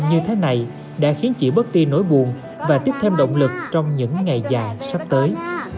như thế này đã khiến chị bớt đi nỗi buồn và tiếp thêm động lực trong những ngày già sắp tới